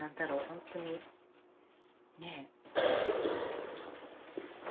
ほんとにねえね